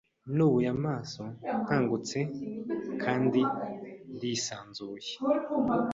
Nubuye amaso nkangutse kandi ndisanzuye